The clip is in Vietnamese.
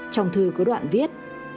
trong thư có đoạn viết